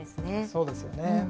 そうですよね。